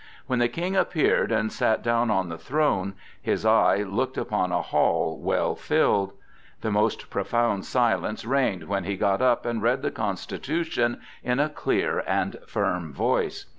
When the King appeared and sat down on the throne his eye looked upon a hall well filled. The most profound silence reigned when he got up and read the constitution in a clear and firm voice.